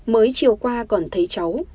mới chiều qua còn thấy cháu